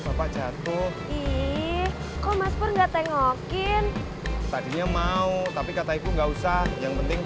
bapak jatuh iiih kau masker nggak tengokin tadinya mau tapi kataiku nggak usah yang penting